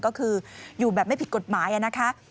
ก็คืออยู่แบบไม่ผิดกฎหมายนะคะ